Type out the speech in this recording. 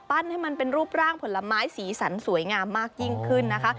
ให้มันเป็นรูปร่างผลไม้สีสันสวยงามมากยิ่งขึ้นนะคะ